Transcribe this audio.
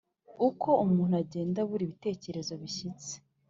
Uko umuntu agenda abura ibitekerezo bishyitse,